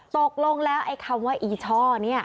ตกลงแล้วไอ้คำว่าอีช่อนี่